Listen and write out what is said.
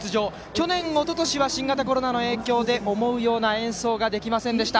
去年、おととしは新型コロナの影響で思うような演奏ができませんでした。